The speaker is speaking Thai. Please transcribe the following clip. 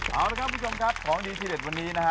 เอาละครับคุณผู้ชมครับของดีที่เด็ดวันนี้นะฮะ